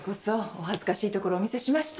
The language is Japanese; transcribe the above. お恥ずかしいところをお見せしまして。